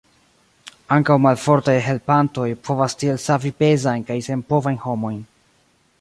Ankaŭ malfortaj helpantoj povas tiel savi pezajn kaj senpovajn homojn.